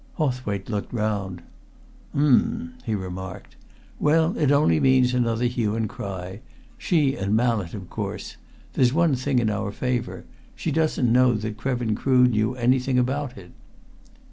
Hawthwaite looked round. "Um!" he remarked. "Well, it only means another hue and cry. She and Mallett of course. There's one thing in our favour. She doesn't know that Krevin Crood knew anything about it."